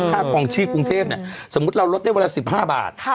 ครองชีพกรุงเทพสมมุติเราลดได้วันละ๑๕บาท